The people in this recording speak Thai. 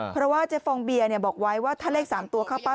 เพราะว่าเจ๊ฟองเบียร์บอกไว้ว่าถ้าเลข๓ตัวเข้าเป้า